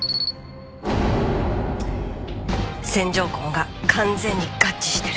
線条痕が完全に合致してる。